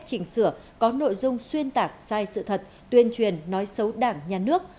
chỉnh sửa có nội dung xuyên tạc sai sự thật tuyên truyền nói xấu đảng nhà nước